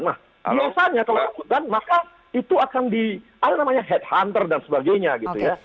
nah biasanya kalau rebutan maka itu akan di ada namanya headhunter dan sebagainya gitu ya